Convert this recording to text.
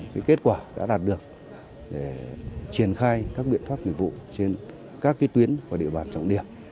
những kết quả đã đạt được để triển khai các biện pháp nghiệp vụ trên các tuyến và địa bàn trọng điểm